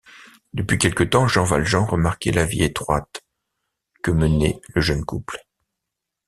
Depuis quelque temps Jean Valjean remarquait la vie étroite que menait le jeune couple.